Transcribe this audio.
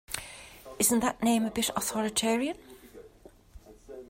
Isn’t that name a bit authoritarian?